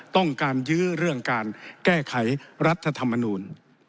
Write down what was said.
ต้องการยื้อเรื่องการแก้ไขรัฐธรรมนูล